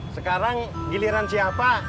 sekarang giliran siapa